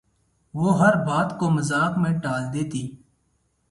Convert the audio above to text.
وہ ہر بات کو مذاق میں ٹال دیتی